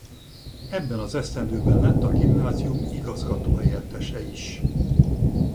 Ebben az esztendőben lett a gimnázium igazgatóhelyettese is.